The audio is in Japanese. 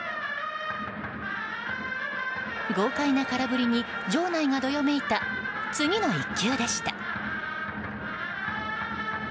豪快な空振りに場内がどよめいた次の１球でした。